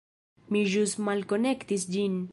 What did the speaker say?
Mi ĵus malkonektis ĝin